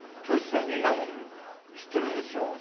教室のみんなも知ってるんですよ。